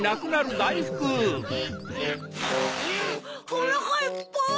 おなかいっぱい。